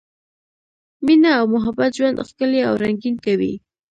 مینه او محبت ژوند ښکلی او رنګین کوي.